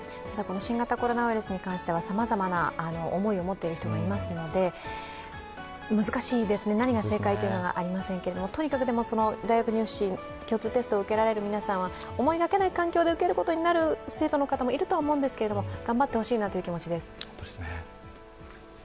新型コロナウイルスに関してはさまざまな思いを持っている人もいますので、難しいですね、何が正解というのがありませんけど、とにかく大学入試、共通テストを受けられる皆さんは思いがけない環境で受ける生徒の方もいると思いますけれども、頑張ってほしいなという気持ちです。